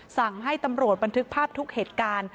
สั่งให้ตำรวจบันทึกภาพทุกเหตุการณ์